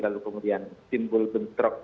lalu kemudian timbul bentrok